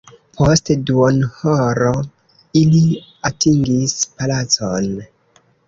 Post duonhoro ili atingis palacon.